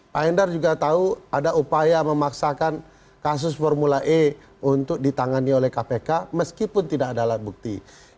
pak hendar juga tahu ada upaya memaksakan kasus formula e untuk ditangani oleh kpk meskipun tidak ada alat bukti